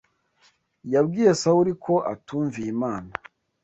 yabwiye Sawuli ko atumviye imana